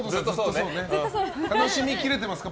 楽しみ切れてますか？